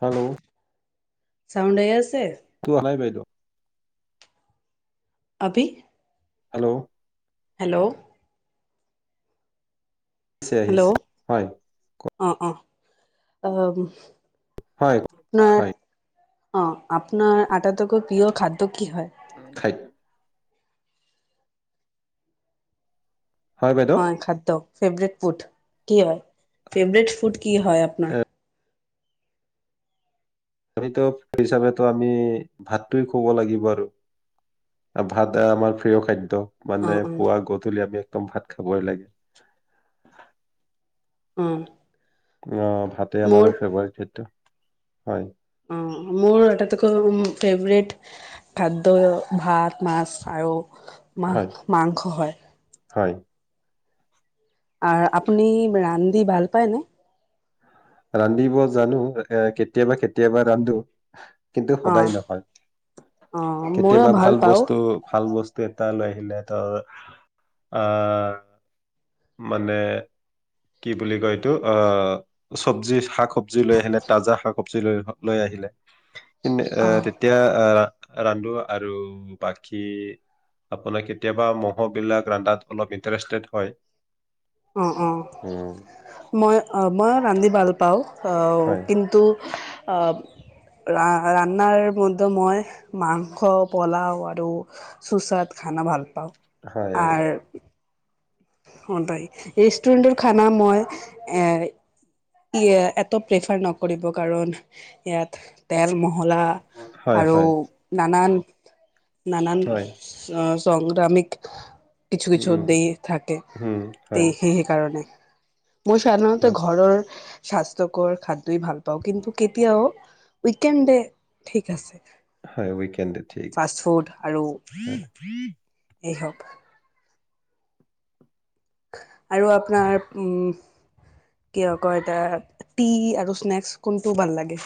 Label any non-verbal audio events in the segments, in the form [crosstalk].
Hello চাণ্ডয়ছ [unintelligible] ত আহা নাই বাইদেউ [unintelligible] আবি [unintelligible] হেল্ল' হেল্ল' আহিছে-আহিছে, হয় অ-অ, অ দেহি হয়-হয় অ, আপোনাৰ আটাতো ত, প্ৰিয় খাদ্য কি হয়? খাই হয় বাইদেউ অ, খাদ্য ফেভৰেট ফুড কি হয়? [unintelligible] ফেভাৰেট ফুড কি হয় আপোনাৰ? [unintelligible] আমিতো হিচাপত আমি ভাতটো য়ে খাব লাগিব আৰু ভাত আমাৰ প্ৰিয় খাদ্য। [unintelligible] অ মানে অ পুৱা-গধূলি আমি একদম ভাত খাবই লাগে। উম আহ, ভাতে আমাৰ ফেবৰেট খাদ্য হয়। অ মোৰ এটা কথা ফেভৰেট খাদ্য ভাত, মাছ আৰু হয় মা-মাংস হয়। হয়। আৰু আপুনি ৰান্ধি ভাল পাই ন? [unintelligible] ৰান্ধিব জানো, তাকে কেতিয়াবা-কেতিয়াবা ৰান্ধো। কিন্তু অ সদায় নহয়, অ ময়ো কেতিয়াবা ভাল পাওঁ বস্তু, ভাল বস্তু এটা লৈ সেইদিনা তাৰ, আহ মানে, কি বুলি কয় এইটো? আহ চবজি শাক, চবজি লৈ আহেনে, তাজা শাক চবজি লৈ আহিলে [unintelligible] এ অ তেতিয়া আহ ৰান্ধো আৰু বাকী আপোনাৰ কেতিয়াবা ম'ববিলাক ৰান্ধাত অলপ ইন্টাৰেষ্টেড হয়। [unintelligible] অ-অ, উম, মই, অ, মই ৰান্ধি ভালো [unintelligible] পাওঁ। ঔ হয় কিন্তু আ ৰা-ৰান্নাৰ বন্ধু মই মাংস পোলাও আৰু চুচাত খানা ভাল পা পাওঁ, হয় আ ৰেষ্টুৰেণ্টৰ খানা মই এ ইয়া এতো প্ৰিফাৰ নকৰিব কাৰণ ইয়াত তেল ম মহলা হয় আৰু হয় নানান নানান হয় [unintelligible] সংগ্ৰামিক কিছু কিছু উম, দেহ থাকে উম, তে হয় সেই - সেই কাৰণে। মোৰ চাধাণতে হয় ঘৰৰ স্বাস্থ্যকৰ খাদ্যই ভাল পাওঁ কিন্তু কেতিয়াও উইকেণ্ডে ঠিক আছে। হয় উইকেণ্ডে ঠিক আছে। ফাষ্ট ফুড আৰু হয়। এই হক। আৰু আপনাৰ উম কিয় কয় তা - টি আৰু স্নেক্স কোনটো ভাল লাগে?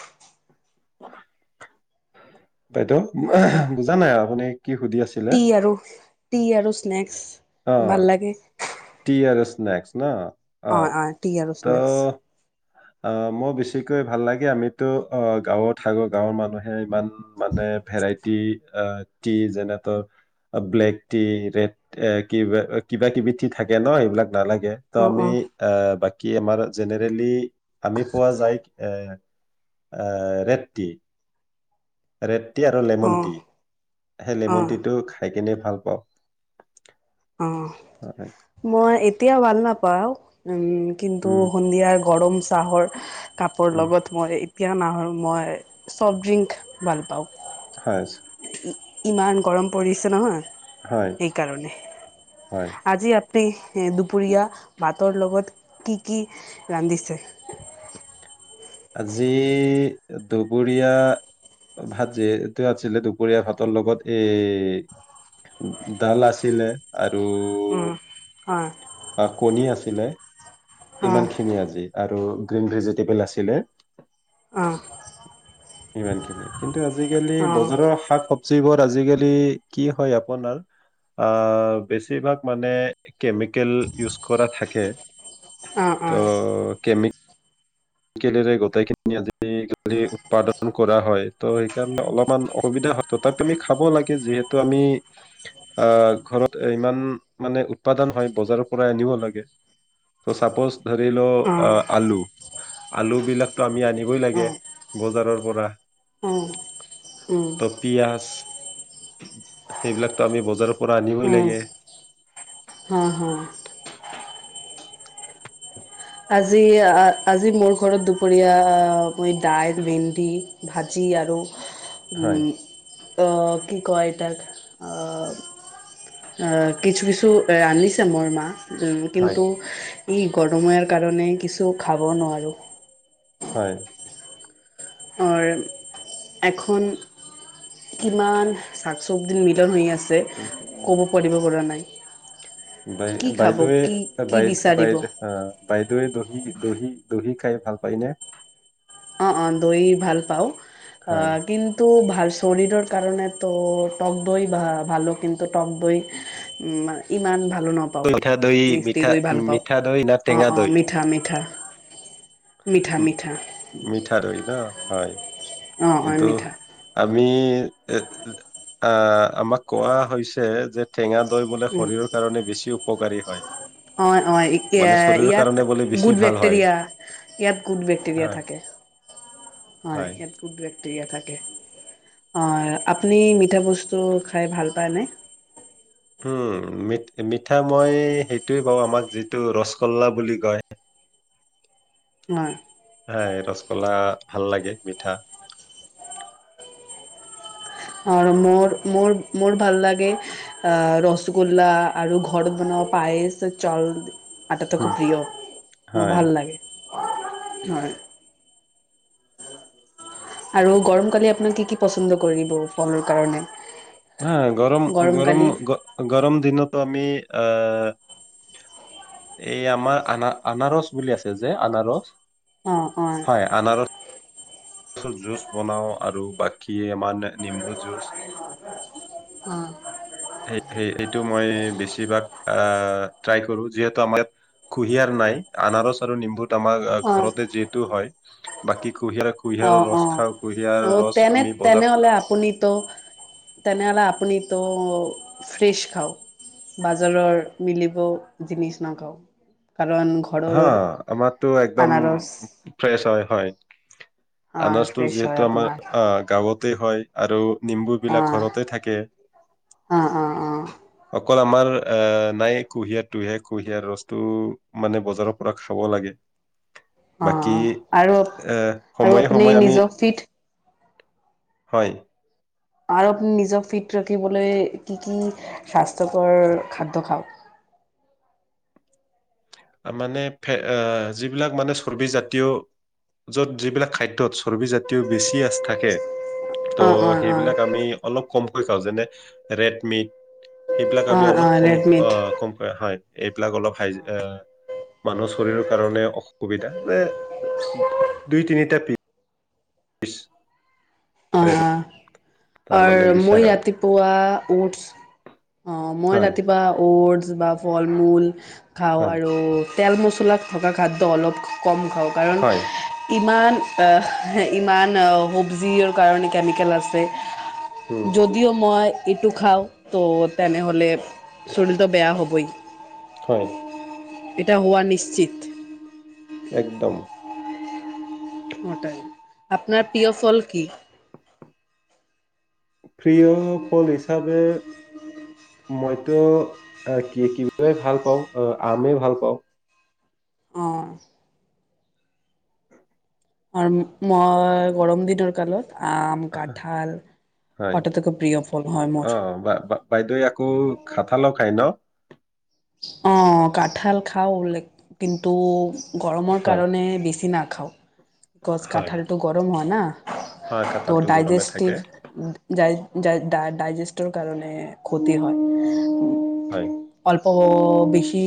বাইদেউ, [unintelligible] বুজা নাই আপুনি কি সুধি আছিলে? টি আৰু টি আৰু স্নেক্স। ভাল অ' লাগে টি আৰো স্নে ক্স ন? অয়‌ অয়, টি আৰো স্নেক্স। ত অ' মই বেছিকৈ ভাল লাগে আমিতো অ - গাঁৱত থাকো, গাঁৱৰ মানুহে ইমান মানে ভেৰাইটি অ - টি, যেনে তৰ অ ব্লেক টি, ৰেড এ কিবা অ কিবা কিবি টি থাকে ন সেইবিলাক নালাগে ত' আমি অ - বাক কি আমাৰ জেনেৰেলি আমি পোৱা যায় এ আহ ৰেড টি । ৰেড টি আৰু অ লেমণ টি। সেই লেমন টিটো অ খাই কেনে ভাল পাওঁ। অহঁ হয় মই এতিয়া ভাল নাপাওঁ উম। কিন্তু উম সন্ধিয়াৰ গৰম চাহৰ কাপৰ উম লগত মই পিয়া নাহ' মই চফ্ট ড্ৰিংক ভাল পাওঁ। হয়। ই - ইমান গৰম পৰিছে নহয়। হয় সেইকাৰণে। হয় আজি আপনি এ - দুপৰীয়া ভা ভাতৰ লগত কি - কি ৰান্ধিছে? আজি দুপৰীয়া ভাত যিহেতু আছিলে, দুপৰীয়া ভাতৰ লগত এই দাল আছিলে। উম, হয়। আ, কণী আছিলে। ইমানখিনি আজি। আৰু গ্ৰীণ ভেজিটেবল আছি লে। অ অ সিমানখিনি। কিন্তু আজিকালি বজাৰৰ শাক-চব্জিবোৰ আজিকালি কি হয় আপোনাৰ, অ' বেছিভাগ মানে কেমিকেল ইউছ কৰা থাকে। অ তো কেমি কেলে যে গোটেইখিনি । আজিকালি উৎপাদন কৰা হয়, তো সেইকাৰণে অলপমান অসুবিধা হ-, তথাপি আমি খাব লাগে, যিহেতু আমি অ' ঘৰত ইমান, মানে উৎপাদন হয় বজাৰৰ পৰা আনিব লাগে। তো ছাপোজ ধৰি লওঁ অ' আলু । আলুবিলাকতো আমি আনিবই অ লাগে, বজাৰৰ পৰা। উম উম তো পিয়াজ, সেইবিলাকতো আমি বজাৰৰ পৰা আনিবই উম লাগে। হা হা আজি অ'- আজি মোৰ ঘৰত দুপৰীয়া মই দাইল, ভিন্দি, ভাজি আৰু হয় উম। অ' কি কয় তাক, অ', অ' কিছু - কিছু ৰানিছে মোৰ মা। হয় কিন্তু এই গৰমে কাৰণে কিছু খাব নোৱাৰোঁ। হয়। হয়। এখন কিমান শাক- চব্জিৰ মিলন হৈ আছ যে উম, ক'ব উম। পাৰিব পৰা নাই। বাই- কি খাব বাইদৱে কি কি বাইদ্- বিচাৰিব বাইদ- বাইদৱে দহি দহি- দহি খাই ভাল পায়নে? অ' - অ' দৈ ভাল পাওঁ। হয় অ' কিন্তু ভাল ছৰীৰৰ কাৰণে তো তকদৈ ভা- ভাল', কিন্তু তকদৈ ইমা- ইমান ভা মিঠা দৈ- মিঠা- মিঠা দৈ না অ', টেঙা অ', দৈ? মিঠা, মিঠা, মিঠা - উম, মিঠা। মিঠা দৈ ন'? হয়। অ' হয় মিঠা। মি অ'- আমাক কোৱা হৈছে যে টেঙা দৈ বোলে উম, শৰীৰৰ কাৰণে বেছি উপকাৰী হয়। অ' - অ', এতিয়া মানে শৰীৰৰ ইয়াত কাৰণে বোলে বেছি গুড ভাল হয় বেক্টেৰিয়া- ইয়াত গুড বেক্টেৰিয়া হয় থাকে। হয়, ইয়াত গুড ক্টেৰিয়া থাকে । অ' আপুনি মিঠা বস্তু খাই ভাল পায়নে? উম, মি- মিঠা মই সেইটোৱে পাওঁ, আমাক যিটো ৰসগোল্লা বুলি কয়। হয়। হয়, ৰসগোল্লা ভাল লাগে মিঠা। আৰু মোৰ- মোৰ- মোৰ ভাল লাগে অ' ৰসগোল্লা আৰু ঘৰত বনোৱা পায়চ চাউল আটাতো হম খুব প্ৰিয়। মোৰ হয় ভাল লাগে। হয়। আৰু গৰম কালি আপোনাল কি কি পচন্দ কৰিব ফলৰ কাৰণে। হা গৰম গৰম গ গৰম দিনতো আমি অ এই আমাৰ আ আনাৰস বুলি আছে যে আনাৰস। অ হয়। আাৰ জু বনাও আৰু বাকী আমাৰ নিম্বু যুচ এইটো মই বেছিভাগ আহ ট্ৰাই কৰো যিহেতু আমাৰ ইাত কুঁহিয়াৰ নাই আনাৰস আৰু নিম্বুত আমাৰ অ ঘৰতে যিহেতু হয় বাকী কুঁহিয়াৰ অ কুঁহিয়াৰৰ ৰস অ খাওঁ কুঁহিয়াৰ অ ৰস তেনে আমি বজাৰত তেনেহলে আপুনিতো তেনেহলে আপুনি তো ফ্ৰেছ খাওঁ বাজাৰৰ মিলিব জিনিছ নাখাওঁ। হা আমাৰতো একদম আনাৰস ফ্ৰেছ হয় হয়। আনাজটো ফ্ৰেছ যিহেতু হয় আমাৰ আপোনাৰ অ গাঁৱত [unintelligible] হয় আৰু। নিম্বু বিলাক অ', ঘৰতে থাকে । অ', অ', অ', অকল আমাৰ আহ নাই কুঁহিয়াৰ তুহিয় কুঁহিয়াৰ ৰসটো মানে বজাৰৰ পৰা খাব লাগে। অ বাকী আৰু এ আৰু সময়ে আপুনি সময়ে আমি নিজৰ ফিট হয়। আৰু আপুনি নিজক ফিট ৰাখিবলৈ কি কি স্বাস্থ্যকৰ খাদ্য খাওক? মানে যিবিলাক মানে চৰ্বিজাতীয় য'ত যিবিলাক খাদ্যয়ত চৰ্বিজাতীয় বেছি আচ থাকে । ত' অ', অ', অ', সেইবিলাক আমি অলপ কমকৈ খাওঁ যেনে ৰেড মিট। সেইবিলাক আমি অ', অলপ অ', কম ৰেডমিট অ কম হয়। এইবিলাক অলপ হাই মানুহৰ শৰীৰৰ কাৰণে অসুবিধা মে দুই তিনিটা পি বছ অ', ৰাবি [unintelligible] অ মই ৰাতিপুৱা উটছ অ মই হয় ৰাতিপুৱা উটছ [unintelligible] কিবা ফল মূল। খাওঁ হয় আৰু তেল মছলাক থকা খাদ্য অলপ। কম খাওঁ কাৰণ হয় ইমান-া ইমান সব্জিৰ কাৰণে কেমিকেল আছে। উম যদিও' মই ইটু খাও তো তেনেহ'লে শৰীৰটো বেয়া হ'বই। [unintelligible] হয়। এটা হোৱা নিশ্চিত। একদম। [unintelligible] আপনাৰ প্ৰিয় ফল কি? প্ৰিয় ফল হিচাপে মইতো এ - কি - কিবাই ভাল পাওঁ, অ আমেই ভাল পাওঁ। অঁ। আৰু মই মই গৰম দিনৰ কালত আম কাঁঠাল হয়, আটাইতকৈ প্ৰিয় ফল হয় মোৰ অ' বা - বা - বাইদেৱে আকৌ খাঠালো খাই ন? অ' কাঠাল খাওঁ লাইক কিন্তু গৰমৰ হয় কাৰণে বিচিনা খাওঁ। গছ হয় কাঠালটো গৰম হয়। না? হয় ত' কাঁঠালটো গৰমে থাকে ডাইজেষ্টিভ [unintelligible] ডাই - ডাইজেষ্টৰ কাৰণে ক্ষতি হয়। হয়। ত' বেছি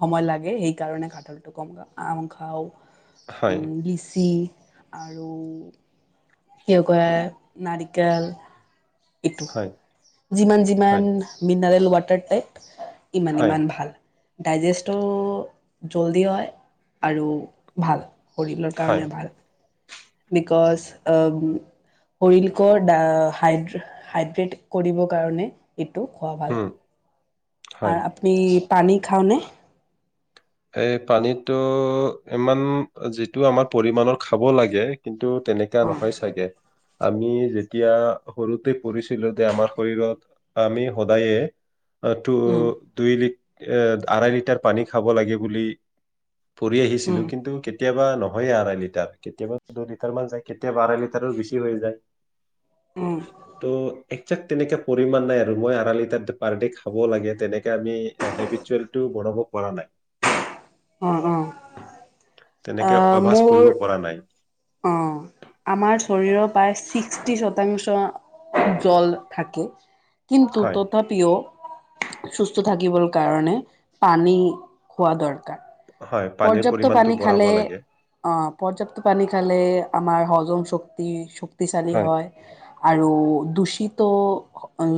সময় লাগে সেইকাৰণে কাঠলটো কম খা, আম খাওঁ। হয় উম লিচি আৰু কিয়কুয়ে নাৰিকল। ইটো, হয় যিমান হয় যিমান মিনাৰেল ল বাটাৰ টাইপ ইমান হয় ইমান ভাল। ডাইজেষ্টটো জল্দি হয় আৰু ভাল। শৰীলৰ হয় কাৰণে ভাল। বিকজ অম - শৰীলকো ডা - হাইড - হাইড্ৰেট কৰিব কাৰণে ইটো খোৱা ভাল। হুম হয় আৰু আপনি পানী খাওঁনে? এই পানীটো ইমান যিটো আমাৰ পৰিমাণৰ খাব লাগে কিন্ টো তেনেকা নহয় চাগে। আমি যেতিয়া সৰুতে পঢ়িছিলো যে আমাৰ শৰীৰত আমি সদায়ে টো দুই লিট এ আঢ়াই লিটাৰ পানী খাব লাগিব বুলি পঢ়ি আহিছিলো অঁ কিন্তু কেত কেতিয়াবা নহয়ে আঢাই লিটাৰ কেতিয়াবা দু লিটাৰ মান যায় কেতিয়াবা আঢাই লিটাৰো বেছি হৈ যায় উম, [unintelligible] ত একজোক্ট তেনেকে পৰিমমানণ নাই আৰু মই আঢা লিটাৰ পাৰ ড খাব লাগে তেনেকে । আমি [unintelligible] ল অনুভৱ কৰা নাই । অ অ তেনেকে আহ অভ্যাস কৰিব মোৰ পৰা নাই অ আমাৰ শৰীৰৰ পৰা ছিক্সটি শতাংশ জল থাকে [unintelligible] কিন্তু হয় তথাপিও সুস্থ থাকিবৰ কাৰণে পানী খোৱা দৰকাৰ হয়, পানীৰ পৰ্যাপ্ত পৰিমাণটো পানী বঢ়াব খালে লাগে। অ পৰ্যাপ্ত পানী খালে আমাৰ হল অ শক্তি শক্ত । শক্তিশালি হয় । আৰু দূষিত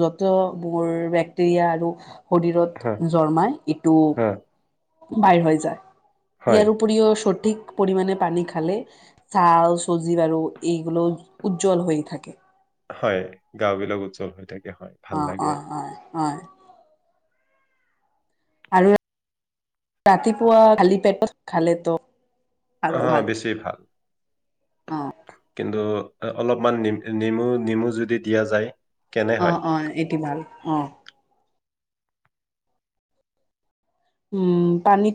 যতে মোৰ বেক্টেৰিয়া আৰু শৰীৰত হয়, জমাই এইটো হয়, বাহিৰ হৈ যায় হয়। ইয়াৰ উপৰিও স । সঠিক পৰিমাণে পানী খালে চাল চজি বাৰু এইগুলো উজ্জ্বল হৈ থাকে । হয় গাও বিলাক উজ্জ্বল হৈ থাকে । অ অ হয় হয় আৰু ৰাতিপুৱা খালি পেটত খালে তো হ বেছি ভাল । অ । কিন্তু অলপমান নেমু নেমু যদি দিয়া যায় । অ অ এইটো ভাল অ উম পানীত